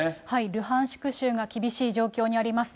ルハンシク州が厳しい状況にあります。